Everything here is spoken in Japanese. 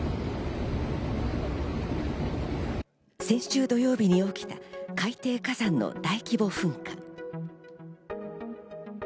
先週土曜日に起きた海底火山の大規模噴火。